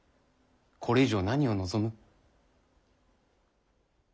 これ以上何を望む？